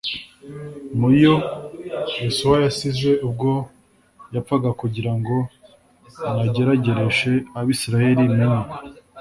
mu yo yosuwa yasize ubwo yapfaga kugira ngo nyageragereshe abisirayeli menye